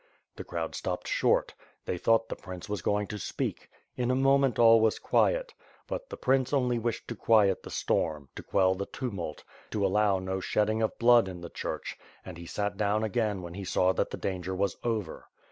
The crowd stopped short. They thought the prince was going to speak. In a moment all was quiet. But the prince only wished to quiet the storm, to quell the tumult, to allow no shedding of blood in the church; and he sat down again when he saw that the danger was over.